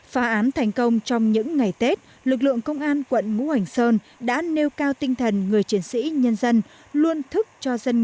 phá án thành công trong những ngày tết lực lượng công an quận ngũ hành sơn đã nêu cao tinh thần người chiến sĩ nhân dân luôn thức cho dân